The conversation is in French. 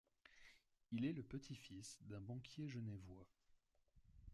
Il est le petit-fils d’un banquier genevois.